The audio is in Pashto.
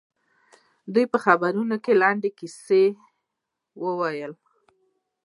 دوی خبري کوم لنډه به کیسه وي